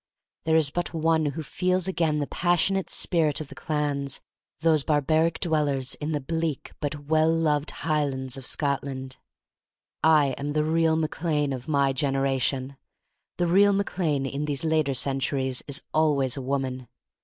There is but one who feels again the passionate spirit of the clans, those barbaric dwellers in the bleak, but well beloved Highlands of Scotland. I am the real Mac Lane of my gener ation. The real Mac Lane in these later centuries is always a woman.